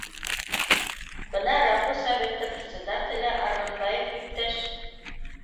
Бына РАПО советы председателе Арғынбаев иптәш